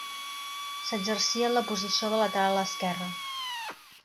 S'exercia en la posició de lateral esquerra.